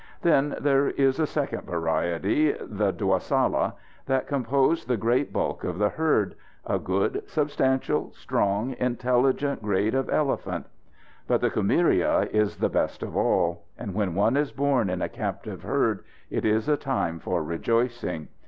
Then there is a second variety, the Dwasala, that compose the great bulk of the herd a good, substantial, strong, intelligent grade of elephant. But the Kumiria is the best of all; and when one is born in a captive herd it is a time for rejoicing.